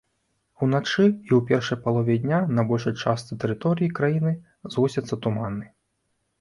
Уначы і ў першай палове дня на большай частцы тэрыторыі краіны згусцяцца туманы.